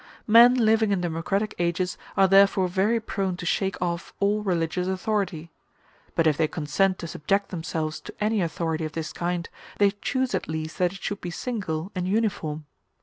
Men living in democratic ages are therefore very prone to shake off all religious authority; but if they consent to subject themselves to any authority of this kind, they choose at least that it should be single and uniform.